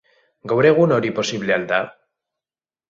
Gaur egun hori posible al da?